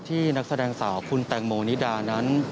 นักแสดงสาวคุณแตงโมนิดานั้น